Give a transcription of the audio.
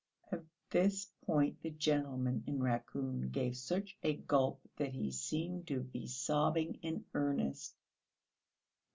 At this point the gentleman in raccoon gave such a gulp that he seemed to be sobbing in earnest.